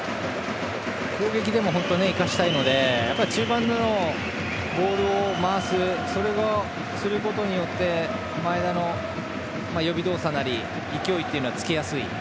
攻撃でも生かしたいので中盤のボールを回すことによって前田の予備動作、勢いはつけやすい。